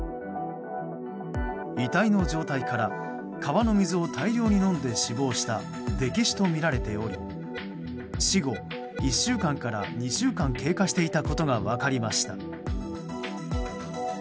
遺体の状態から川の水を大量に飲んで死亡した溺死とみられており死後１週間から２週間経過していたことが分かりました。